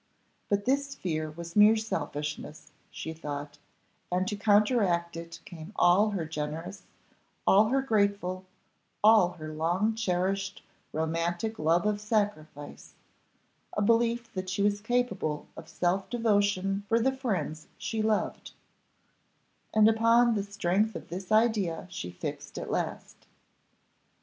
But this fear was mere selfishness, she thought, and to counteract it came all her generous, all her grateful, all her long cherished, romantic love of sacrifice a belief that she was capable of self devotion for the friends she loved; and upon the strength of this idea she fixed at last.